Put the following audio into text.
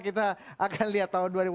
kita akan lihat tahun dua ribu dua puluh